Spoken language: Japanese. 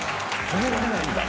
止められないんだ。